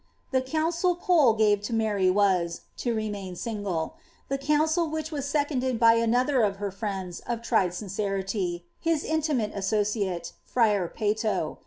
The counsel Pole gave to Mary was, to remain single ; counsel which was seconded by another of her friends of tried sincerity, his intimate associate, friar Peyio.